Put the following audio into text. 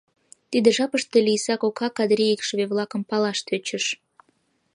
Тиде жапыште Лийса кока Кадри икшыве-влакым палаш тӧчыш.